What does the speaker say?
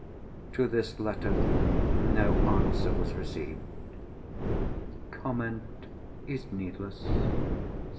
[To this letter no answer was received. Comment is needless.